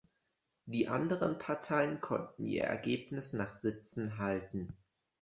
Die anderen Parteien konnten ihr Ergebnis nach Sitzen halten.